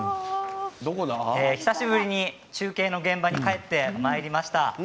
久しぶりに中継の現場に帰ってまいりました。